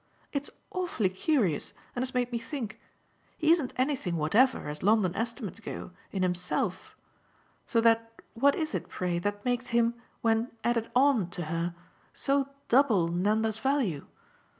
It's awfully curious and has made me think: he isn't anything whatever, as London estimates go, in himself so that what is it, pray, that makes him, when 'added on' to her, so double Nanda's value?